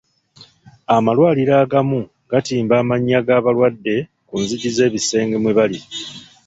Amalwaliro agamu gatimba amannya g'abalwadde ku nzigi z'ebisenge mwe bali.